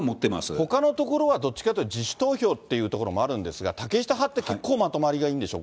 ほかのところはどっちかというと、自主投票というところもあるんですが、竹下派って、結構、まとまりがいいんでしょ？